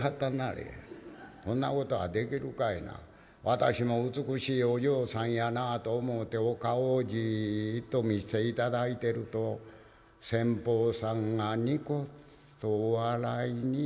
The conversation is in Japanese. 私も美しいお嬢さんやなぁと思うてお顔をジッと見せて頂いてると先方さんがニコッとお笑いになってな」。